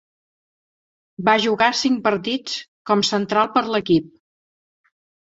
Va jugar cinc partits com central per l"equip.